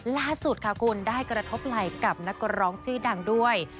ล่าสุดค่ะคุณได้กระทบไหล่กับนักร้องชื่อดังด้วย